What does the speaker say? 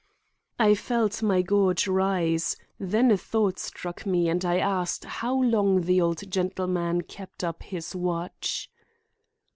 I felt my gorge rise; then a thought struck me and I asked how long the old gentleman kept up his watch.